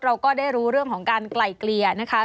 เราก็ได้รู้เรื่องของการไกลเกลี่ยนะคะ